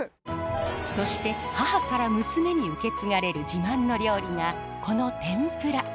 そして母から娘に受け継がれる自慢の料理がこの天ぷら。